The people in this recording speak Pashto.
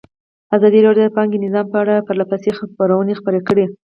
ازادي راډیو د بانکي نظام په اړه پرله پسې خبرونه خپاره کړي.